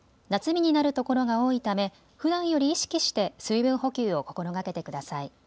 夏日になるところが多いためふだんより意識して水分補給を心がけてください。